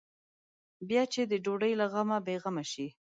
بیا چې د ډوډۍ له غمه بې غمه شي.